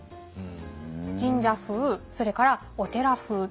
神社風それからお寺風。